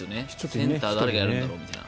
センター誰がやるんだろうみたいな。